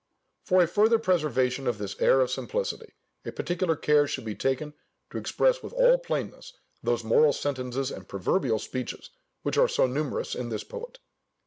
For a further preservation of this air of simplicity, a particular care should be taken to express with all plainness those moral sentences and proverbial speeches which are so numerous in this poet.